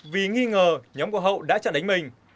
vì nghi ngờ nhóm của hậu đã chặn đánh mình